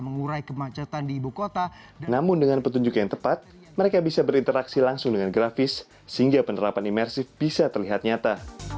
namun dengan petunjuk yang tepat mereka bisa berinteraksi langsung dengan grafis sehingga penerapan imersif bisa terlihat nyata